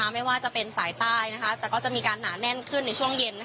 ไม่ว่าจะเป็นสายใต้แต่ก็จะมีการหนาแน่นขึ้นในช่วงเย็น